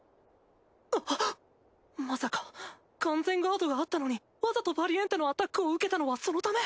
アッまさか完全ガードがあったのにわざとバリエンテのアタックを受けたのはそのため？